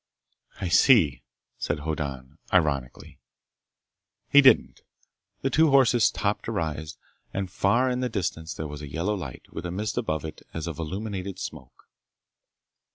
"I see," said Hoddan ironically. He didn't. The two horses topped a rise, and far in the distance there was a yellow light, with a mist above it as of illuminated smoke.